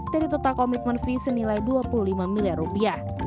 dari total komitmen fee senilai dua puluh lima miliar rupiah